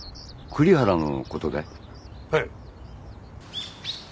はい。